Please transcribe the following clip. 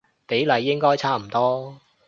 比例應該差唔多